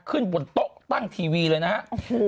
ขึ้นบนโต๊ะตั้งทีวีเลยนะฮะ